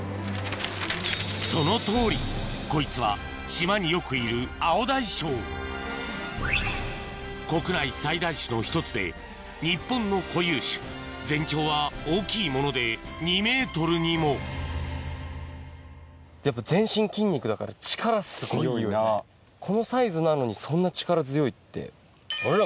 そのとおりこいつは島によくいるアオダイショウ国内最大種の１つで日本の固有種全長は大きいもので２ｍにもこのサイズなのにそんな力強いって。